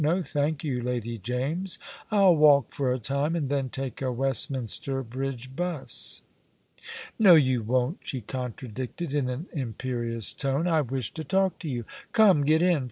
"No, thank you, Lady James. I'll walk for a time, and then take a Westminster Bridge 'bus." "No, you won't," she contradicted, in an imperious tone. "I wish to talk to you. Come, get in.